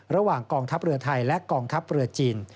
ระหว่างกองทัพเรือไทยและกองทัพเรือจีน